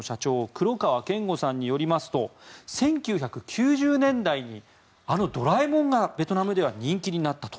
黒川賢吾さんによりますと１９９０年代にあの「ドラえもん」がベトナムでは人気になったと。